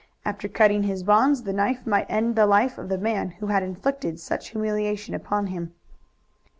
After cutting his bonds the knife might end the life of the man who had inflicted such humiliation upon him.